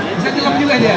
coba kita lihat kelayarnya